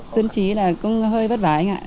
xuân trí là cũng hơi vất vả anh ạ